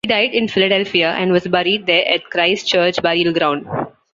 He died in Philadelphia and was buried there at the Christ Church Burial Ground.